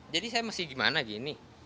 jadi saya masih gimana gini